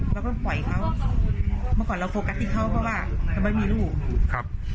เราก็ปล่อยเขาเมื่อก่อนเราโฟกัสที่เขาเพราะว่าเราไม่มีลูกครับ